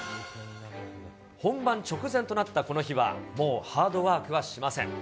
本番直前となったこの日はもう、ハードワークはしません。